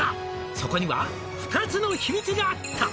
「そこには２つの秘密があった」